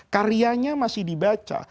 karyanya masih dibaca